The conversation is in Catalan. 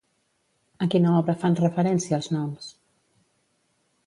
A quina obra fan referència els noms?